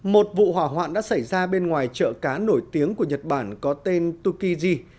một vụ hỏa hoạn đã xảy ra bên ngoài chợ cá nổi tiếng của nhật bản có tên tokyji